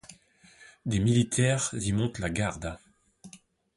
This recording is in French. Des militaires y montent la garde.